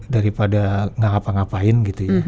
daripada nggak ngapa ngapain gitu ya